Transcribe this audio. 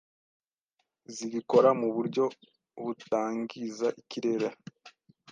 zibikora mu buryo butangiza ikirere.